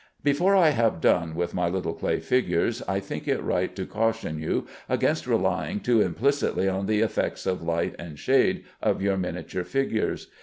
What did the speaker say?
Before I have done with my little clay figures, I think it right to caution you against relying too implicitly on the effects of light and shade of your miniature figures.